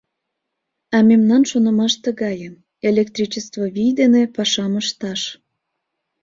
А мемнан шонымаш тыгае: электричество вий дене пашам ышташ.